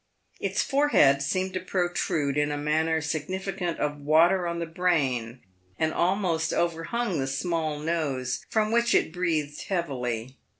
Its forehead seemed to protrude in a manner significant of water on the brain, and almost overhung the small nose, from which it breathed heavily.